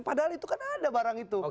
padahal itu kan ada barang itu